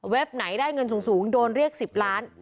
ไหนได้เงินสูงโดนเรียก๑๐ล้าน